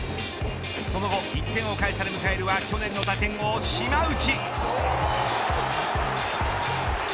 その後、１点を返され迎えるは去年の打点王、島内。